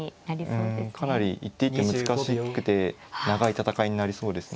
うんかなり一手一手難しくて長い戦いになりそうです。